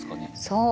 そう。